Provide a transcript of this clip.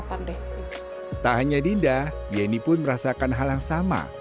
tak hanya dinda yeni pun merasakan hal yang sama